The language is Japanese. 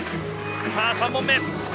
さぁ３本目。